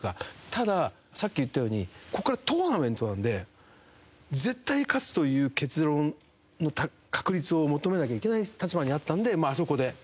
たださっき言ったようにここからトーナメントなんで絶対勝つという結論の確率を求めなきゃいけない立場にあったんであそこで。